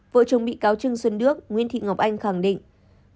vợ chồng bị cáo trưng xuân đước nguyên thị ngọc anh khẳng định